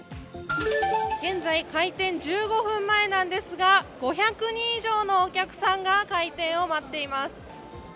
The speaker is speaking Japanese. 現在、開店１５分前なんですが５００人以上のお客さんが開店を待っています。